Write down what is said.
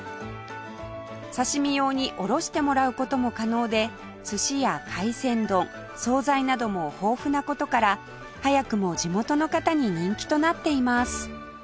刺し身用におろしてもらう事も可能で寿司や海鮮丼総菜なども豊富な事から早くも地元の方に人気となっています